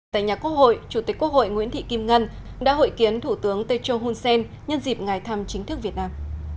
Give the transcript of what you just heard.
tại nhà quốc hội chủ tịch quốc hội nguyễn thị kim ngân đã hội kiến thủ tướng techo hun sen nhân dịp ngày thăm chính thức việt nam